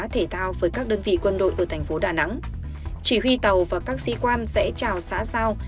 thể thao với các đơn vị quân đội ở thành phố đà nẵng chỉ huy tàu và các sĩ quan sẽ trào xã giao